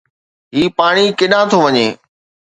هي پاڻي ڪيڏانهن ٿو وڃي؟